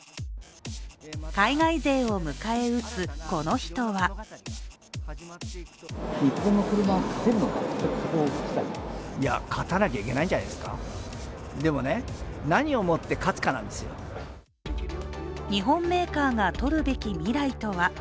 海外勢を迎え撃つ、この人は日本メーカーが取るべき未来とは。